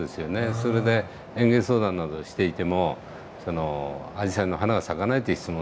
それで園芸相談などをしていてもアジサイの花が咲かないという質問